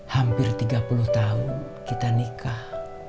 hampir tiga puluh tahun kita nikah